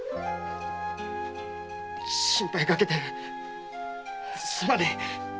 心配かけてすまねえ